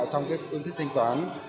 trong cái hướng thức thanh toán